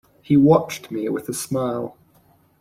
He watched me with a smile.